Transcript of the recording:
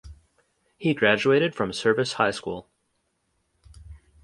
He graduated from Service High School.